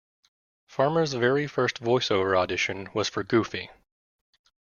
Farmer's very first voice over audition was for Goofy.